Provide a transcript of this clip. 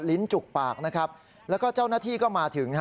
ลิ้นจุกปากนะครับแล้วก็เจ้าหน้าที่ก็มาถึงฮะ